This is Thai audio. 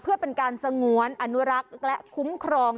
เพื่อเป็นการสงวนอนุรักษ์และคุ้มครอง